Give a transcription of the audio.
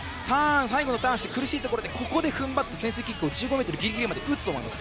最後のターンして苦しいところでここで踏ん張って潜水キックを１５ｍギリギリまで打つと思います。